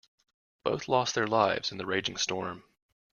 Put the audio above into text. Both lost their lives in the raging storm.